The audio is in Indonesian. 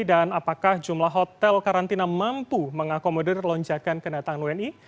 dan apakah jumlah hotel karantina mampu mengakomodir lonjakan kedatangan wni